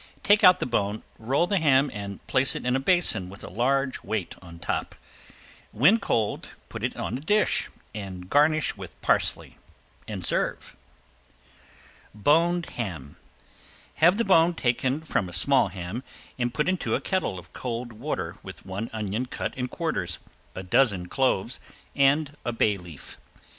Take out the bone, roll the ham and place it in a basin with a large weight on top. When cold put it on a dish, garnish with parsley, and serve. ~BONED HAM~ Have the bone taken from a small ham and put into a kettle of cold water with one onion cut in quarters, a dozen cloves, and a bay leaf.